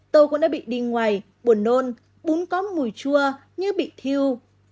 tôi cũng đã bị đi ngoài buồn nôn bún có mùi chua như bị thiêu